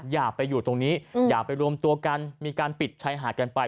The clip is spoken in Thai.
อย่าไปอยู่ตรงนี้อย่าไปรวมตัวกันมีการปิดชายหาดกันไป